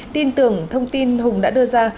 tin tưởng thông tin hùng đã đưa ra